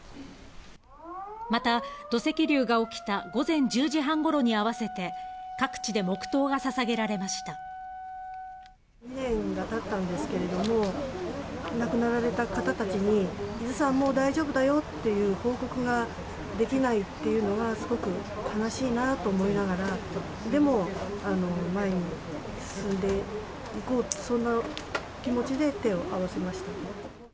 また、土石流が起きた午前１０時半ごろに合わせて、２年がたったんですけれども、亡くなられた方たちに、伊豆山はもう大丈夫だよっていう報告ができないっていうのは、すごく悲しいなと思いながら、でも、前に進んでいこう、そんな気持ちで手を合わせました。